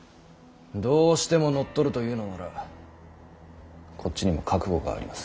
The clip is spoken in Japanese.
どうしても乗っ取るというのならこっちにも覚悟があります。